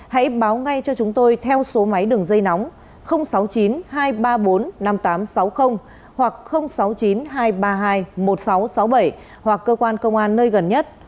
hãy báo ngay cho chúng tôi theo số máy đường dây nóng sáu mươi chín hai trăm ba mươi bốn năm nghìn tám trăm sáu mươi hoặc sáu mươi chín hai trăm ba mươi hai một nghìn sáu trăm sáu mươi bảy hoặc cơ quan công an nơi gần nhất